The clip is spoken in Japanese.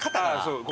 そう。